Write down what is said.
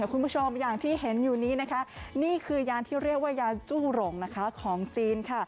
คุณผู้ชมอย่างที่เห็นอยู่นี้นะคะนี่คือยานที่เรียกว่ายานจุ้งหลงของจีนค่ะ